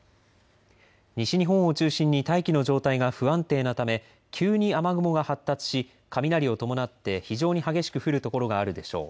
西日本を中心に大気の状態が不安定なため急に雨雲が発達し雷を伴って非常に激しく降る所があるでしょう。